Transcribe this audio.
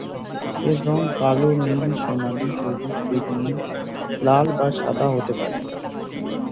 এর রঙ কালো, নীল, সোনালী, সবুজ, বেগুনি-লাল, বা সাদা হতে পারে।